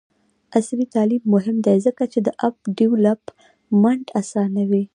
عصري تعلیم مهم دی ځکه چې د اپ ډیولپمنټ اسانوي.